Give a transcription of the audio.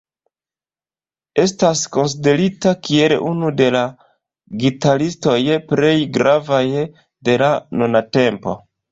Estas konsiderita kiel unu de la gitaristoj plej gravaj de la nuntempo.